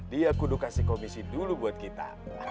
dia kudu kasih komisi dulu buat kita